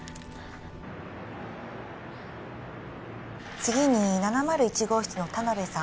次に７０１号室の田辺さん